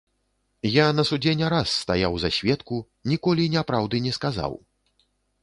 Я на судзе не раз стаяў за сведку, ніколі няпраўды не сказаў.